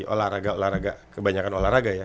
olahraga olahraga kebanyakan olahraga ya